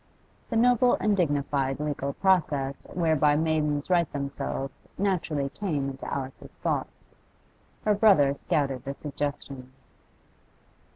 The noble and dignified legal process whereby maidens right themselves naturally came into Alice's thoughts. Her brother scouted the suggestion.